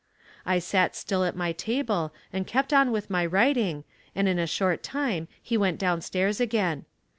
I sat still at my table and kept on with my writing and in a short time he went down stairs again.